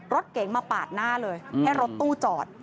รถเก๋งมาปาดหน้าเลยให้รถตู้จอด